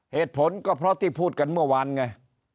เหตุผลก็เพราะที่พูดกันเมื่อวานไง